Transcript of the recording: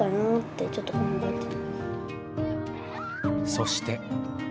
そして。